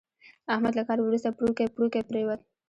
احمد له کار ورسته پړوکی پړوکی پرېوت.